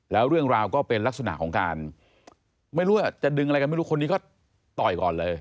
แล้วเรื่องราวก็เป็นลักษณะของการไม่รู้ว่าจะดึงอะไรกันไม่รู้คนนี้ก็ต่อยก่อนเลย